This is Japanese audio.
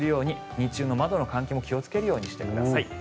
日中の窓の換気も気をつけるようにしてください。